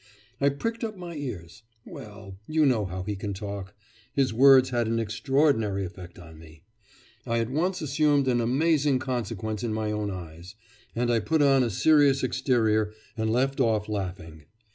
I pricked up my ears.... Well, you know how he can talk. His words had an extraordinary effect on me. I at once assumed an amazing consequence in my own eyes, and I put on a serious exterior and left off laughing.